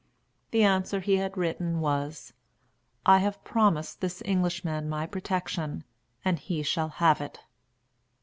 The answer he had written was, "I have promised this Englishman my protection, and he shall have it."